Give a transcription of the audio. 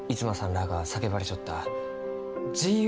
らあが叫ばれちょった「自由」